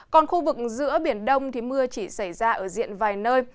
còn khu vực giữa biển đông thì mưa chỉ xảy ra ở diện vài nơi